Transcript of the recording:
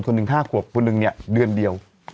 หนึ่ง๕ขวบคนหนึ่งเนี่ยเดือนเดียว